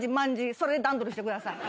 それで段取りしてください。